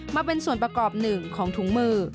มาเป็นส่วนประกอบหนึ่งของถุงมือ